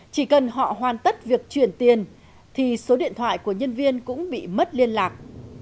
chỉ cần họ hoàn tất việc chuyển tiền thì số điện thoại của nhân viên cũng bị mất liên lạc